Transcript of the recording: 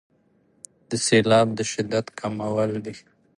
د سیلاب د شدت کمول دي.